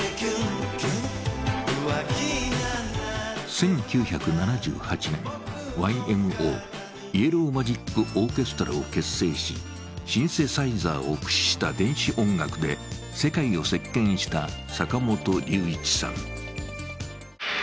１９７８年、ＹＭＯ＝イエロー・マジック・オーケストラを結成しシンセサイザーを駆使した電子音楽で世界を席けんした坂本龍一さん。